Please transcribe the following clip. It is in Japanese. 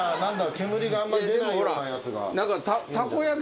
煙があんま出ないようなやつが。